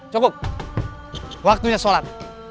cukup waktunya sholat